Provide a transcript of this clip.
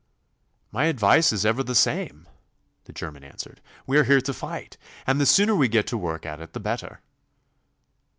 'My advice is ever the same,' the German answered. 'We are here to fight, and the sooner we get to work at it the better.